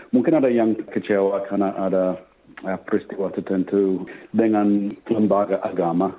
mungkin ada yang kecewa karena ada peristiwa tertentu dengan lembaga agama